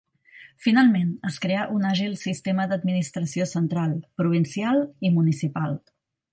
Finalment, es creà un àgil sistema d'administració central, provincial i municipal.